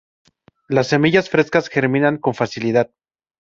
Las semillas frescas germinan con facilidad.